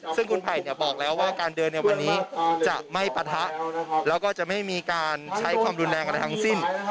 ซึ่งคุณไผ่บอกแล้วว่าการเดินในวันนี้จะไม่ปะทะแล้วก็จะไม่มีการใช้ความรุนแรงอะไรทั้งสิ้น